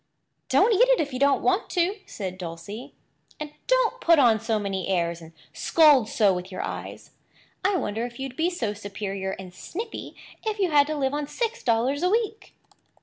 "Don't eat it if you don't want to," said Dulcie. "And don't put on so many airs and scold so with your eyes. I wonder if you'd be so superior and snippy if you had to live on six dollars a week."